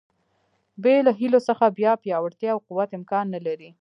بې له هیلو څخه بیا پیاوړتیا او قوت امکان نه لري.